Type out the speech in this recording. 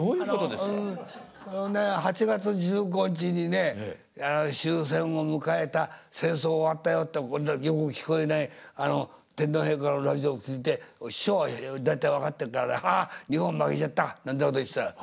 ８月１５日にね終戦を迎えた戦争終わったよってよく聞こえない天皇陛下のラジオを聞いて師匠は大体分かってるから「アハハ日本負けちゃった」なんてこと言ってた。